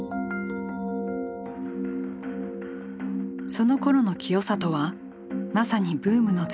そのころの清里はまさにブームの絶頂期。